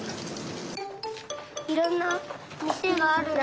いろんなみせがあるね。